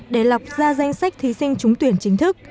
để lọc ra danh sách thí sinh trúng tuyển chính thức